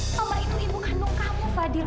kalau itu ibu kandung kamu fadil